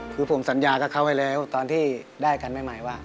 คือผมสัญญากับเขาไว้แล้วตอนที่ได้กันใหม่ว่า